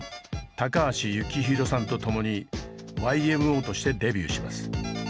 高橋幸宏さんとともにＹＭＯとしてデビューします。